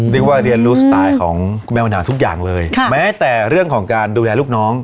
เรียกว่าเรียนรู้สไตล์ของแมวหนาวทุกอย่างเลยแม้แต่เรื่องของการดูแลลูกน้อง